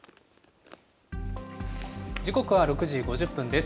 時刻は６時５０分です。